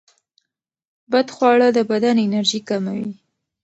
بدخواړه د بدن انرژي کموي.